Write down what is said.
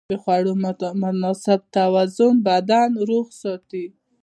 د خوړو مناسب توازن بدن روغ ساتي.